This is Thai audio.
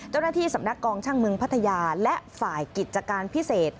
เจ้าหน้าที่สำนักกองช่างเมืองพัทยาและฝ่ายกิจการพิเศษ